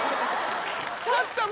ちょっと待って。